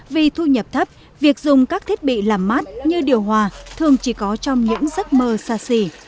vì thu nhập thấp việc dùng các thiết bị làm mát như điều hòa thường chỉ có trong những giấc mơ xa xỉ